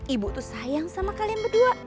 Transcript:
ibu tuh sayang sama kalian berdua